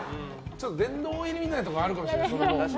殿堂入りみたいなとこあるかもしれないです。